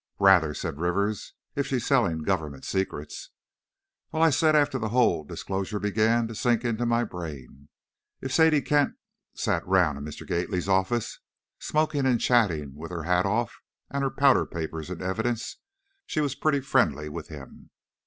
"Rather!" said Rivers, "if she's selling Government secrets!" "Well," I said, after the whole disclosure began to sink into my brain, "if Sadie Kent sat around in Mr. Gately's office, smoking and chatting, with her hat off, and her powder papers in evidence, she was pretty friendly with him!"